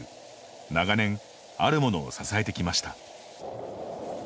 長年あるものを支えてきました。